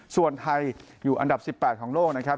ส่วนไทยอยู่อันดับ๑๘ของโลกนะครับ